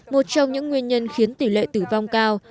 một trong những nguyên nhân khiến tỷ lệ tử vong cao